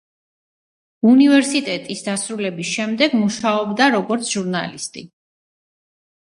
უნივერისტეტის დასრულების შემდეგ მუშაობდა როგორც ჟურნალისტი.